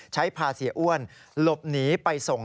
พาเสียอ้วนหลบหนีไปส่ง